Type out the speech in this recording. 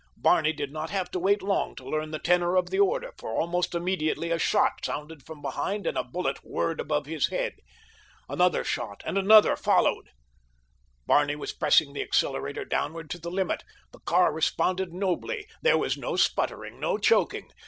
Barney did not have to wait long to learn the tenor of the order, for almost immediately a shot sounded from behind and a bullet whirred above his head. Another shot and another followed. Barney was pressing the accelerator downward to the limit. The car responded nobly—there was no sputtering, no choking.